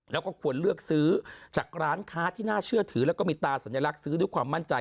แล้วก็ควรเลือกซื้อจากร้านค้าที่น่าเชื่อถือแล้วก็มีตาสัญลักษณ์ซื้อด้วยความมั่นใจ